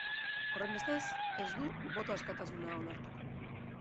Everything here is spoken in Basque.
Horrenbestez, ez du boto askatasuna onartuko.